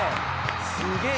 「すげえ！